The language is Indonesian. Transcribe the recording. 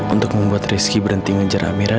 untuk membuat rizky berhenti menjerah amirah